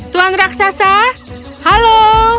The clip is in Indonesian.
tuan raksasa halo